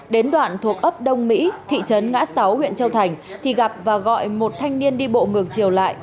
đến đoạn thuộc ấp đông mỹ thị trấn ngã sáu huyện châu thành thì gặp và gọi một thanh niên đi bộ ngược chiều lại